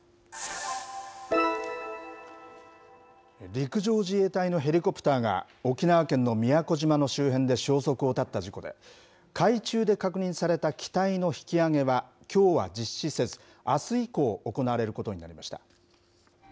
陸上自衛隊のヘリコプターが沖縄県の宮古島の周辺で消息を絶った事故で、海中で確認された機体の引き揚げはきょうは実施せず、あす以降、行われることになりました。